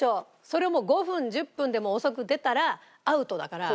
それをもう５分１０分でも遅く出たらアウトだから。